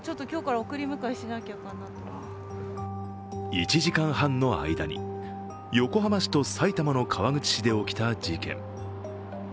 １時間半の間に横浜市と埼玉の川口市で起きた事件。